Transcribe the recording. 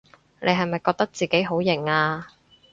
你係咪覺得自己好型吖？